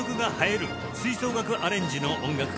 吹奏楽アレンジの音楽会」